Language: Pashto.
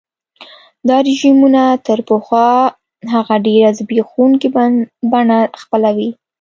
دا رژیمونه تر پخوا هغه ډېره زبېښونکي بڼه خپلوي.